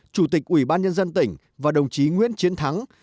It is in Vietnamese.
chủ tịch ủy ban nhân dân tỉnh và đồng chí nguyễn chiến thắng